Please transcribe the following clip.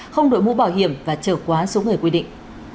không đổi mũ bảo hiểm và trở quá số người quy định